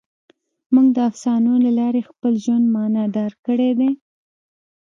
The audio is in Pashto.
موږ د افسانو له لارې خپل ژوند معنیدار کړی دی.